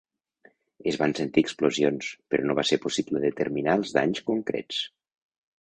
Es van sentir explosions, però no va ser possible determinar els danys concrets.